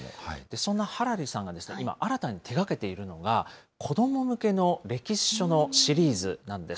そんなハラリさんが今、新たに手掛けているのが、子ども向けの歴史書のシリーズなんです。